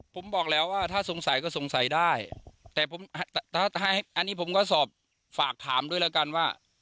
ผมบอกแล้วว่าถ้าสงสัยก็สงสัยได้แต่ผมถ้าให้อันนี้ผมก็สอบฝากถามด้วยแล้วกันว่า